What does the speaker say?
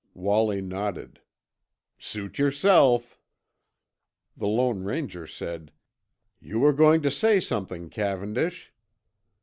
Wallie nodded. "Suit yourself." The Lone Ranger said, "You were going to say something, Cavendish."